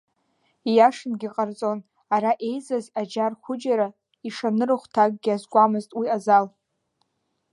Ииашангьы иҟарҵон ара еизаз аџьар хәыџьара ишаны рыхәҭакгьы азкуамызт уи азал.